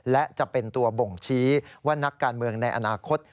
และจะเป็นตัวบ่งชี้ว่านักการเมืองในอนาคต